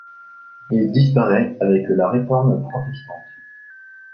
Il disparaît avec la Réforme protestante.